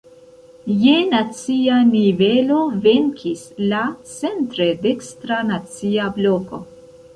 Je nacia nivelo, venkis la centre dekstra Nacia Bloko.